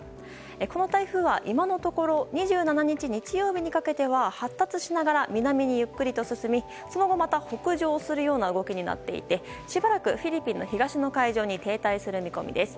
この台風は今のところ２７日、日曜日にかけては発達しながら南にゆっくりと進みその後、また北上するような動きになっていてしばらくフィリピンの東の海上に停滞する見込みです。